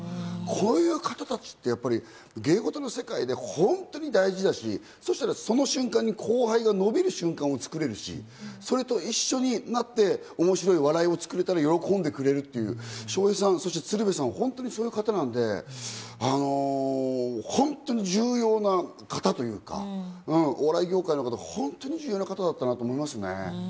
こういう方達って芸事の世界で、本当に大事だし、その瞬間に後輩がのびる瞬間を作れるし、それと一緒になって面白い笑いを作るために喜べる、鶴瓶さん、笑瓶さん、そういう人なんで、本当に重要な方というか、お笑い業界の方、ホントに重要な方だったと思いますね。